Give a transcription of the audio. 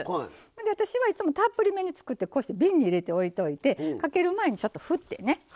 私はいつもたっぷりめに作ってこうして瓶に入れておいといてかける前にふってね。